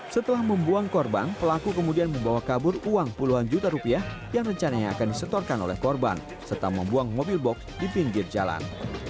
setelah membuang korban pelaku kemudian membawa kabur uang puluhan juta rupiah yang rencananya akan disetorkan oleh korban serta membuang mobil box di pinggir jalan